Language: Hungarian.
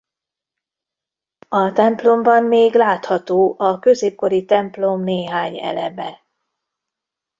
A templomban még látható a középkori templom néhány eleme.